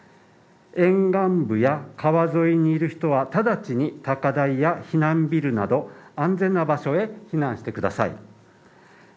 沿岸部や川沿いにいる人は直ちに高台や避難ビルなど安全な場所へ避難してください。